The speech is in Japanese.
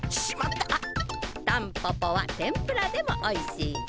たんぽぽはてんぷらでもおいしいぞ。